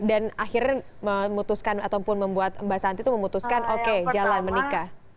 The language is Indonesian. dan akhirnya memutuskan ataupun membuat mbak santi tuh memutuskan oke jalan menikah